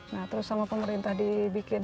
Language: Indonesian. nah terus sama pemerintah dibikin